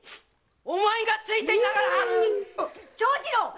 お前がついていながら‼長次郎！